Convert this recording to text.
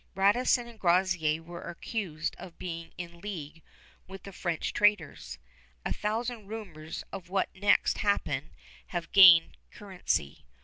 Radisson and Groseillers were accused of being in league with the French traders. A thousand rumors of what next happened have gained currency.